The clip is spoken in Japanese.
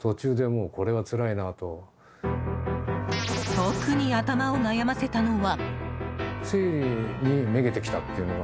特に頭を悩ませたのは。